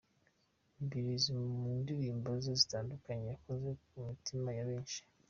Mibirizi mu ndirimbo ze zitandukanye yakoze ku mitima ya benshi.